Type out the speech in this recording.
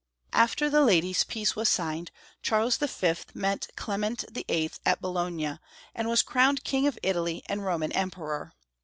AFTER the Ladies' Peace was signed, Charles V. met Clement VIII. at Bologna, and was crowned King of Italy and Roman Emperor.